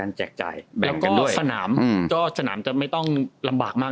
และสนามไม่ต้องลำบากมาก